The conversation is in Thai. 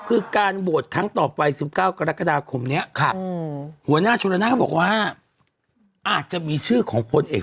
ว่าครั้งที่๒อำแปดภักดิ์ร่วมอาจจะเสนอนายกที่ชื่ออื่น